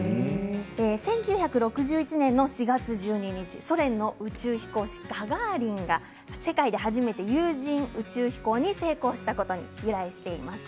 １９６１年の４月１２日ソ連の宇宙飛行士、ガガーリンが世界で初めて有人宇宙飛行に成功したことに由来しています。